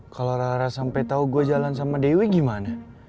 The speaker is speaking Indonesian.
kalau rara sampai tau gue jalan sama dewi gimana